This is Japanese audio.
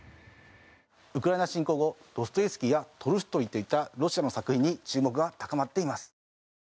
ウクライナ侵攻後ドストエフスキーやトルストイといったロシアの作品に注目が高まっています。